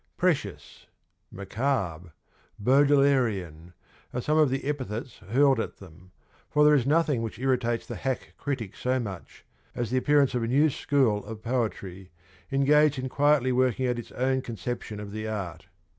' Precious,' ' macabre,' ' Baudelairian ' are some of the epithets hurled at them, for there is nothing which irritates the hack critic so much as the appearance of a new school ' of poetry engaged in quietly working out its own conception of the art.